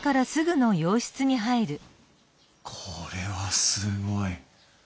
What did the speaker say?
これはすごい。